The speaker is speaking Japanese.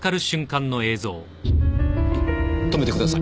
止めてください。